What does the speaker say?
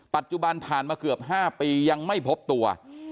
ปัจจุบันผ่านมาเกือบ๕ปียังไม่พบตัว